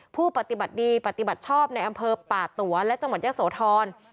ผู้ปฏิบัติดีปฏิบัติชอบในอำเภอป่าตั๋วและจังหวัดยะโสธร